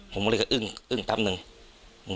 ผมก็เลยก็อึ้งตั้งหนึ่ง